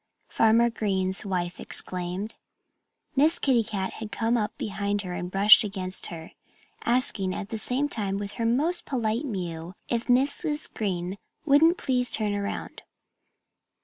Farmer Green's wife exclaimed. Miss Kitty Cat had come up behind her and brushed against her, asking at the same time with her most polite mew if Mrs. Green wouldn't please turn around.